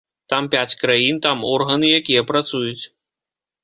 Там пяць краін, там органы, якія працуюць.